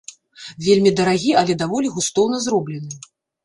Вельмі дарагі, але даволі густоўна зроблены.